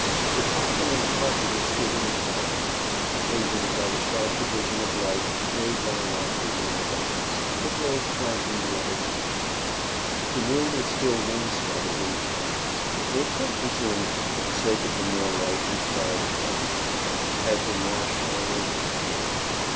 The coffin and the carpenter stood in the twilight occasioned by the sharp division of light made by a lofty wing of the house that rose flanking the other window. The room was still wainscotted in panels, which, I presume, for the sake of the more light required for handicraft, had been washed all over with white.